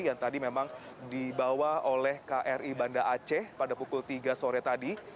yang tadi memang dibawa oleh kri banda aceh pada pukul tiga sore tadi